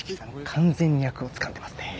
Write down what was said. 完全に役をつかんでますね。